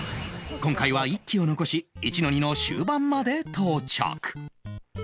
今回は１機を残し １−２ の終盤まで到着